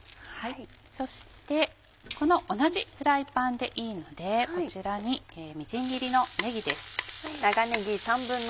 そして同じフライパンでいいのでこちらにみじん切りのねぎです。